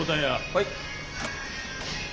はい。